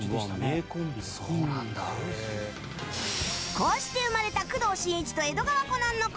こうして生まれた工藤新一と江戸川コナンの声